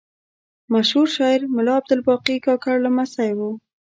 مشهور شاعر ملا عبدالباقي کاکړ لمسی و.